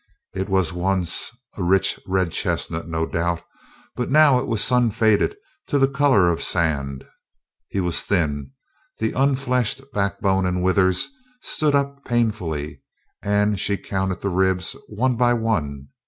It was once a rich red chestnut, no doubt, but now it was sun faded to the color of sand. He was thin. The unfleshed backbone and withers stood up painfully and she counted the ribs one by one.